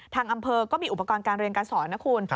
ทางอำเภอก็มีอุปกรณ์การเรียนการสอนนะคุณ